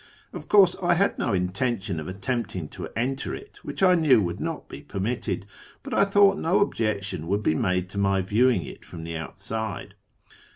Of course I had no intention of attempting to enter it, which I knew would not be permitted ; but I thought no objection would be made to my viewing it from tlie outside.